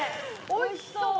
おいしそう！